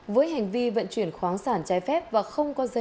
với hành vi vận chuyển khoáng sản trái phép và không có dây